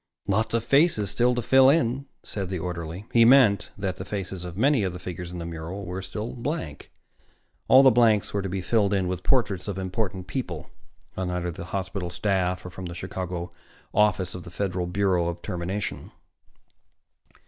"Lot of faces still to fill in," said the orderly. He meant that the faces of many of the figures in the mural were still blank. All blanks were to be filled with portraits of important people on either the hospital staff or from the Chicago Office of the Federal Bureau of Termination.